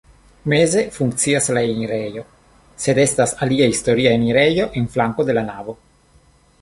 Meze funkcias la enirejo, sed estas alia historia enirejo en flanko de la navo.